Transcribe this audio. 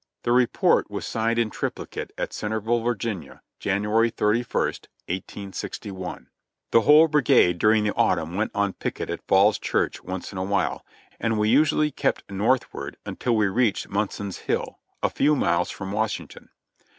The report was signed in triplicate at Centerville, Va., Janu ary 31, 1861.* The whole brigade during the autumn went on picket at Falls Church once in a while, and we usually kept northward until we reached Munson's Hill, a few miles from Washington.